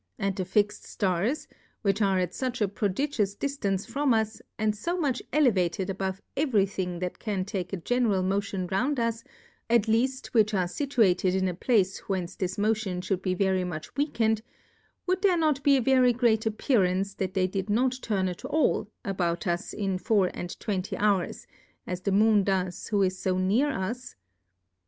And the fix'd Stars which are at fuch a prodigious Diftance from us, and fo much elevated above every thing that can take a ge neral Motion round us, at leaft which are fcituated in a Place whence this Mo tion fhould be very much weaken^, would there not be a very great Appea rance that they did not turn at all a bout us in four and twenty Hours, as the Moon does who is fo near us